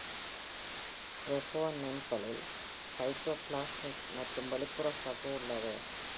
ட்ரெபோனெம்களில் cytoplasmic மற்றும் வெளிப்புற சவ்வு உள்ளது.